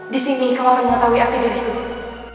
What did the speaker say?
di sini kau akan mengetahui arti dari ku